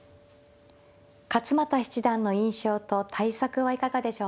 勝又七段の印象と対策はいかがでしょうか。